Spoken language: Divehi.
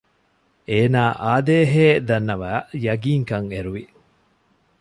އޭނާ އާދޭހޭ ދަންނަވައި ޔަގީންކަން އެރުވި